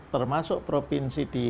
termasuk provinsi di